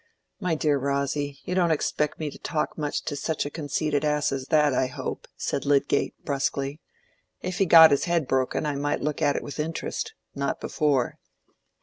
"My dear Rosy, you don't expect me to talk much to such a conceited ass as that, I hope," said Lydgate, brusquely. "If he got his head broken, I might look at it with interest, not before."